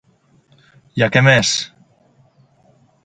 I a què més?